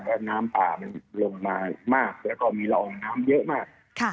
แล้วน้ำป่ามันลงมามากแล้วก็มีละอองน้ำเยอะมาก